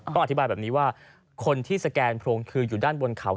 อธิบายแบบนี้ว่าคนที่สแกนโพรงคืออยู่ด้านบนเขา